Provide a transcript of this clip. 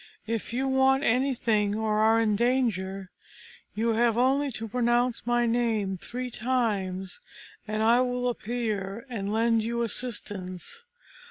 If you want anything, or are in danger, you have only to pronounce my name three times, and I will appear and lend you assistance.